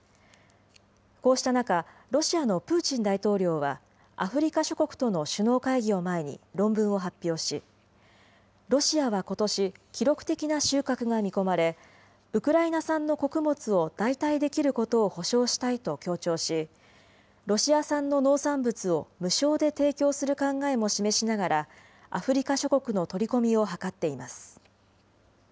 こうした中、ロシアのプーチン大統領はアフリカ諸国との首脳会議を前に論文を発表し、ロシアはことし、記録的な収穫が見込まれ、ウクライナ産の穀物を代替できることを保証したいと強調し、ロシア産の農産物を無償で提供する考えも示しながら、アフリカ諸国の取り込みを図っています。